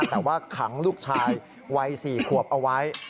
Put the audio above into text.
แต่ว่าขังลูกชายวัย๔ขวบเอาไว้